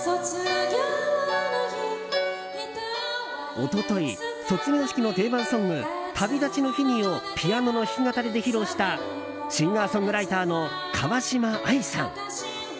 一昨日、卒業式の定番ソング「旅立ちの日に」をピアノの弾き語りで披露したシンガーソングライターの川嶋あいさん。